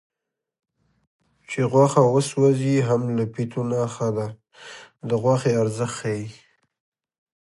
چې غوښه وسوځي هم له پیتو نه ښه ده د غوښې ارزښت ښيي